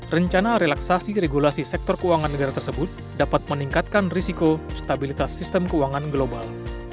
rencana relaksasi regulasi sektor keuangan negara tersebut dapat meningkatkan risiko stabilitas sistem keuangan global